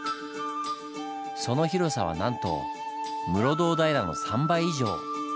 その広さはなんと室堂平の３倍以上。